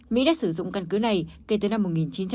mỹ đã sử dụng căn cứ này kể từ năm một nghìn chín trăm chín mươi